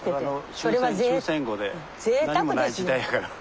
終戦後で何もない時代やから。